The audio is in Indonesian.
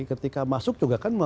ketika masuk juga kan